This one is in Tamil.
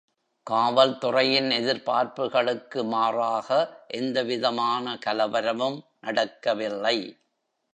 காவல்துறையின் எதிர்பார்ப்புகளுக்கு மாறாக, எந்தவிதமான கலவரமும் நடக்கவில்லை.